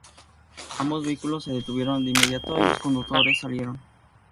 Ambos vehículos se detuvieron de inmediato y los conductores salieron.